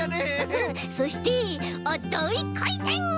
そしてあっだいかいてん！